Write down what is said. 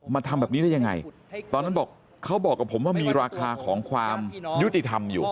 ทำแบบนี้ได้ยังไงตอนนั้นบอกเขาบอกกับผมว่ามีราคาของความยุติธรรมอยู่